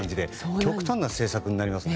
極端な政策になりますね。